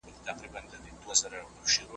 راځئ چي د خلګو حقونه وساتو.